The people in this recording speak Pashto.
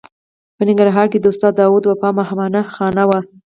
په ننګرهار کې د استاد داود وفا مهمانه خانه وه.